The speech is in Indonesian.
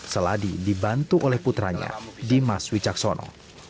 seladi dibantu oleh putranya dimas wicaksono